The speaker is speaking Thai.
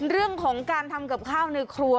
เรื่องของการทำกับข้าวในครัว